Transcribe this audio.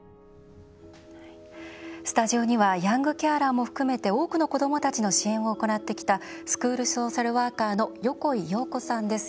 スタジオにはヤングケアラーも含めて多くの子どもたちの支援を行ってきたスクールソーシャルワーカーの横井葉子さんです。